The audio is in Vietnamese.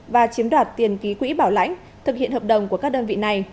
và chiếm đoạt tiền ký quỹ bảo lãnh thực hiện hợp đồng của các đơn vị này